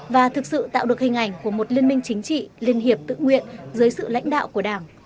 và thực sự tạo được hình ảnh của một liên minh chính trị liên hiệp tự nguyện dưới sự lãnh đạo của đảng